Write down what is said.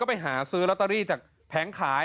ไปหาซื้อลอตเตอรี่จากแผงขาย